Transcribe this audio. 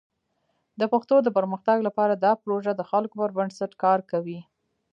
د پښتو د پرمختګ لپاره دا پروژه د خلکو پر بنسټ کار کوي.